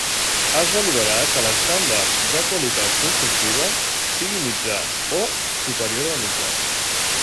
Es valorarà que l'estàndard de qualitat constructiva sigui mitjà o superior a la mitjana.